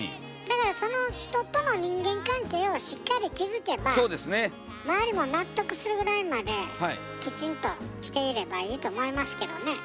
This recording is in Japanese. だからその人との人間関係をしっかり築けば周りも納得するぐらいまできちんとしていればいいと思いますけどね。